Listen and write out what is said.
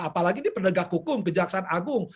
apalagi di pendegak hukum kejaksaan agung